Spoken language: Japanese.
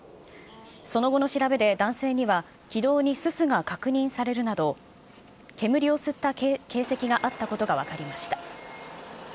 その後の調べで男性には、気道にすすが確認されるなど、煙を吸った形跡があったことが分かりました。